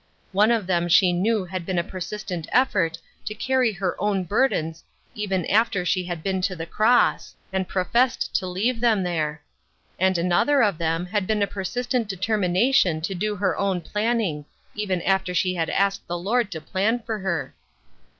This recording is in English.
One of them she knew had been a persistent effort to AT HOME. 327 carry her own burdens even after she had been to the Cross, and professed to leave them there. And another of them had been a persistent deter mination to do her own planning, even after she had ached the Lord to plan for her.